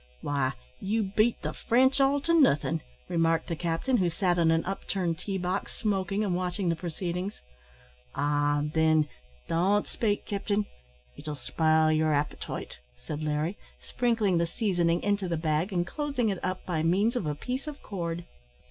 "Why, you beat the French all to nothing!" remarked the captain, who sat on an upturned tea box, smoking and watching the proceedings. "Ah! thin, don't spake, capting; it'll spile yer appetite," said Larry, sprinkling the seasoning into the bag and closing it up by means of a piece of cord.